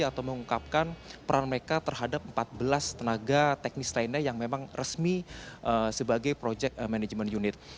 atau mengungkapkan peran mereka terhadap empat belas tenaga teknis lainnya yang memang resmi sebagai project management unit